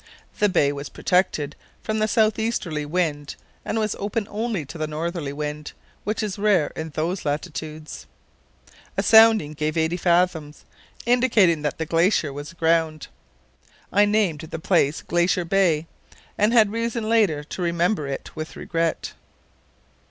The bay was protected from the south easterly wind and was open only to the northerly wind, which is rare in those latitudes. A sounding gave 80 fathoms, indicating that the glacier was aground. I named the place Glacier Bay, and had reason later to remember it with regret.